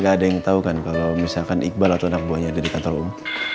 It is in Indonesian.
gak ada yang tahu kan kalau misalkan iqbal atau anak buahnya ada di kantor umum